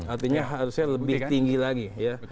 artinya harusnya lebih tinggi lagi ya